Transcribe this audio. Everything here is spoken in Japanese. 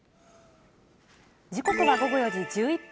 時刻は午後４時１１分。